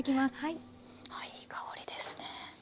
いい香りですね。